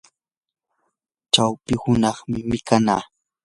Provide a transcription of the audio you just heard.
chawpi hunaqmi mikanaa.